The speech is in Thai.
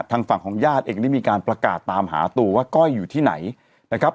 ทางฝั่งของญาติเองได้มีการประกาศตามหาตัวว่าก้อยอยู่ที่ไหนนะครับ